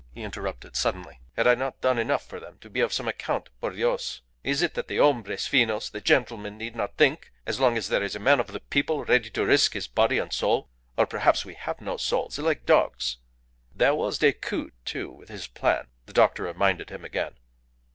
he interrupted suddenly. "Had I not done enough for them to be of some account, por Dios? Is it that the hombres finos the gentlemen need not think as long as there is a man of the people ready to risk his body and soul? Or, perhaps, we have no souls like dogs?" "There was Decoud, too, with his plan," the doctor reminded him again.